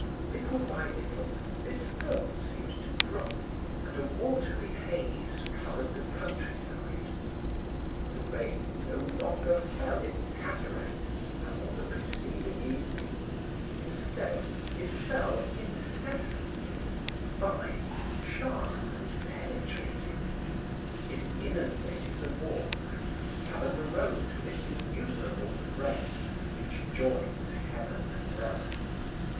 Little by little, this film seemed to drop, and a watery haze covered the country side. The rain no longer fell in cataracts as on the preceding evening; instead, it fell incessantly, fine, sharp and penetrating; it inundated the walks, covered the roads with its innumerable threads which joined heaven and earth.